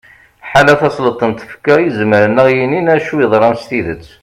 ḥala tasleḍt n tfekka i izemren ad aɣ-yinin acu yeḍran s tidet